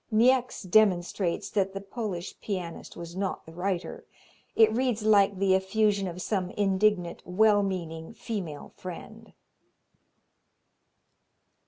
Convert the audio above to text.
Niecks demonstrates that the Polish pianist was not the writer. It reads like the effusion of some indignant, well meaning female friend.